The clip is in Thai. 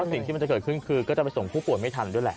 สิ่งที่มันจะเกิดขึ้นคือก็จะไปส่งผู้ป่วยไม่ทันด้วยแหละ